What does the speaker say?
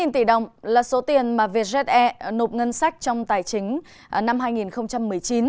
một tỷ đồng là số tiền mà vietjet air nộp ngân sách trong tài chính năm hai nghìn một mươi chín